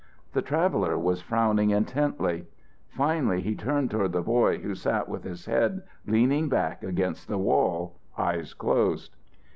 The traveller was frowning intently. Finally he turned toward the boy who sat with his head leaning back against the wall, eyes closed.